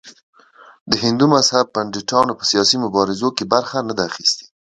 هندو مذهب پنډتانو په سیاسي مبارزو کې برخه نه ده اخیستې.